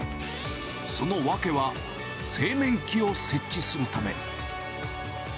その訳は、製麺機を設置するため。